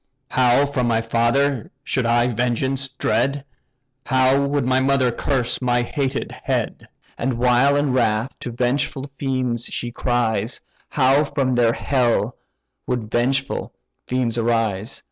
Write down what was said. How from my father should I vengeance dread! How would my mother curse my hated head! And while in wrath to vengeful fiends she cries, How from their hell would vengeful fiends arise!